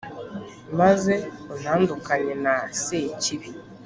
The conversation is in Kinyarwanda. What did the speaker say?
maze untandukanye na sekibi